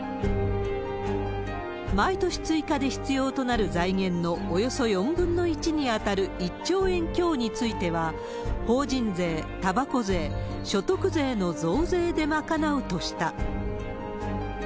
毎年追加で必要となる財源のおよそ４分の１に当たる１兆円強については法人税、たばこ税、所得税の増税で賄うとした。